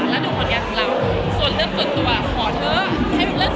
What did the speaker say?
และดูการเรียนของเราส่วนส่วนเรื่องส่วนตัว